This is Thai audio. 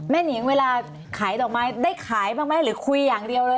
หนิงเวลาขายดอกไม้ได้ขายบ้างไหมหรือคุยอย่างเดียวเลย